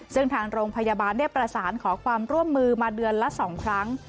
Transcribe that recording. ซึ่งทางโรงพยาบาลได้ประสานขอความร่วมมือมาเดือนละ๒ครั้ง